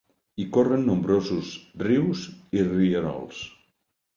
Hi corren nombrosos rius i rierols.